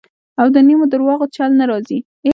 او د نیمو درواغو چل نه راځي.